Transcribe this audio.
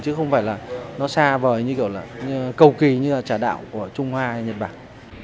chứ không phải là nó xa vời như kiểu là cầu kỳ như là trà đạo của trung hoa hay nhật bản